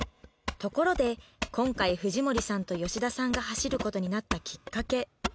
ところで今回藤森さんと吉田さんが走ることになったきっかけ